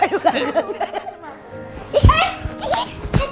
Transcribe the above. ini kan udah rapi